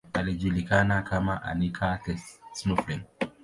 Alijulikana kama Anica the Snuffling.